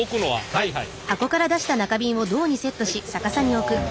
はいはい。